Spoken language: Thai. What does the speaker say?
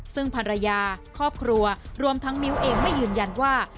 ซึ่งภรรยาครอบครัวรวมทั้งมิ้วเองไม่ยืนยันว่า